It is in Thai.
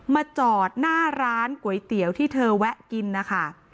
จอดหน้าร้านก๋วยเตี๋ยวที่เธอแวะกินนะคะ